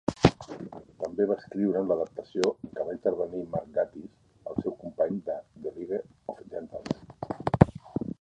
També va escriure'n l'adaptació, en què va intervenir Mark Gatiss, el seu company de "The league of gentlemen".